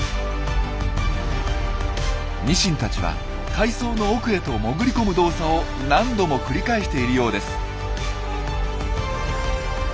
ニシンたちは海藻の奥へと潜り込む動作を何度も繰り返しているようです。